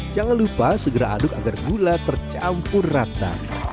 jangan lupa segera aduk agar gula tercampur rata